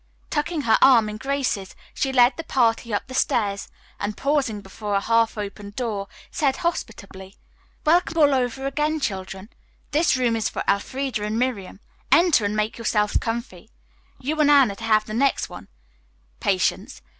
Tucking her arm in Grace's, she led the party up the stairs and, pausing before a half open door, said hospitably: "Welcome all over again, children. This room is for Elfreda and Miriam. Enter and make yourselves comfy. You and Anne are to have the next one, Patience.